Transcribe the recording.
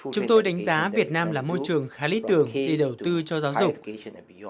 chúng tôi đánh giá việt nam là môi trường khá lý tưởng để đầu tư cho giáo dục